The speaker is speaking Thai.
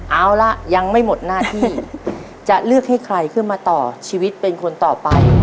เอาล่ะยังไม่หมดหน้าที่จะเลือกให้ใครขึ้นมาต่อชีวิตเป็นคนต่อไป